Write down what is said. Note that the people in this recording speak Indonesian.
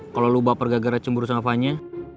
kalau lo bapergak gara cemburu sama fanya